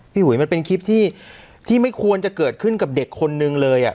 หุยมันเป็นคลิปที่ไม่ควรจะเกิดขึ้นกับเด็กคนนึงเลย